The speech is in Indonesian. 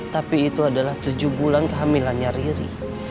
tapi itu adalah tujuh bulan kehamilannya riri